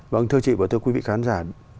vâng thưa chị và thưa quý vị khán giả